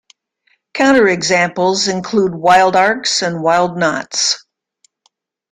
Counterexamples include wild arcs and wild knots.